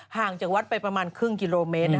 ห่างจากวัดไปประมาณครึ่งกิโลเมตร